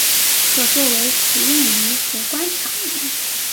可作为食用鱼和观赏鱼。